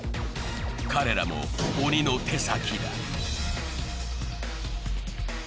彼らも鬼の手先。